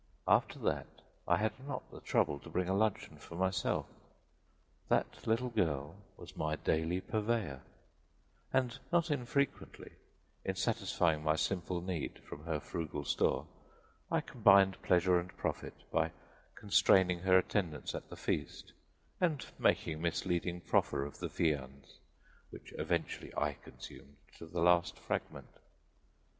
After that I had not the trouble to bring a luncheon for myself: that little girl was my daily purveyor; and not infrequently in satisfying my simple need from her frugal store I combined pleasure and profit by constraining her attendance at the feast and making misleading proffer of the viands, which eventually I consumed to the last fragment.